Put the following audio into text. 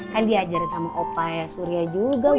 kan diajarin sama opa ya surya juga